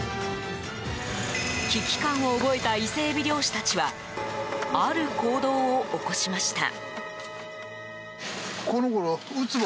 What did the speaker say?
危機感を覚えたイセエビ漁師たちはある行動を起こしました。